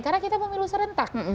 karena kita pemilu serentak